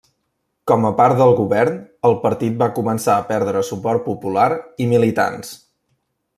Com a part del govern, el partit va començar a perdre suport popular i militants.